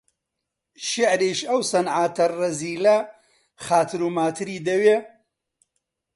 شیعریش، ئەو سنعاتە ڕەزیلە خاتر و ماتری دەوێ؟